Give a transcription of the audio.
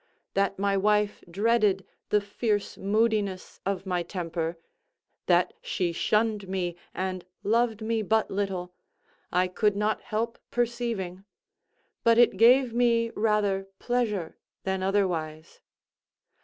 That my wife dreaded the fierce moodiness of my temper—that she shunned me and loved me but little—I could not help perceiving; but it gave me rather pleasure than otherwise.